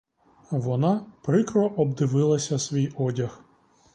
Вона прикро обдивилася свій одяг.